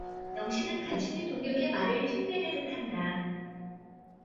영신은 간신히 동혁의 말을 흉내내듯 한다.